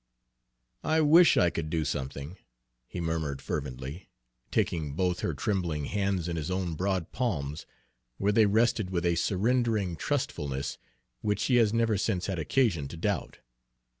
"I wish I could do something," he murmured fervently, taking both her trembling hands in his own broad palms, where they rested with a surrendering trustfulness which he has never since had occasion to doubt.